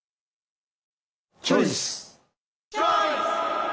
チョイス！